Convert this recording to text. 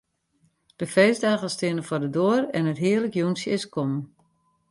De feestdagen steane foar de doar en it hearlik jûntsje is kommen.